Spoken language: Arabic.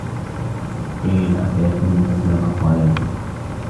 قِيلَ أَفَيَكُونُ كَذَّابًا ؟ قَالَ لَا